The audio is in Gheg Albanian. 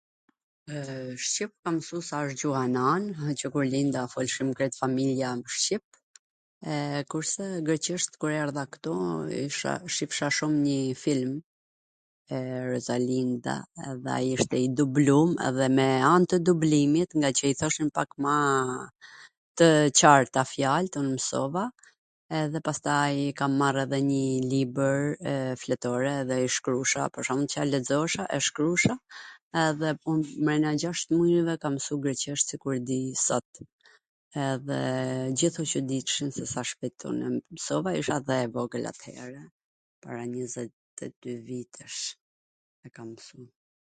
Shqip kam mwsu se asht gjuha e nans, krejt familja folshim shqip qw kur linda, e, kurse greqisht, kur erdha ktu, shifsha shum nji film, Rozalinda, edhe ai ishte i dublum edhe me an tw dublimit, ngaqw i thoshin pak ma tw qarta fjalt, un msova edhe pastaj i kam marr edhe nji libwr e fletore edhe i shkrusha, pwr shwmbull Car lexosha e shkrusha edhe pun brenda gjasht muajve kam msu greqisht sikur e di sot. Edhe t gjith u Cuditshin sa shpejt un e msova edhe isha e vogwl at-here, para njwzet e dy vitesh e kam msu.